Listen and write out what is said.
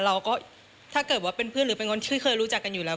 เราก็ถ้าเกิดว่าเป็นเพื่อนหรือเป็นคนที่เคยรู้จักกันอยู่แล้ว